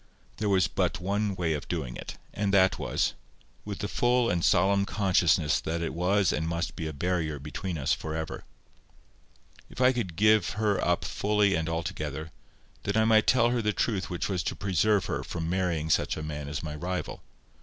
There was but one way of doing it, and that was—with the full and solemn consciousness that it was and must be a barrier between us for ever. If I could give her up fully and altogether, then I might tell her the truth which was to preserve her from marrying such a man as my rival.